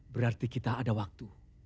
berarti kita ada waktu